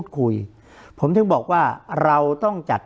คุณลำซีมัน